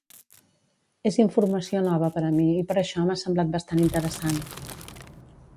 És informació nova per a mi i per això m'ha semblat bastant interessant.